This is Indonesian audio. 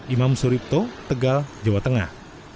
imam suripto tegal jawa tengah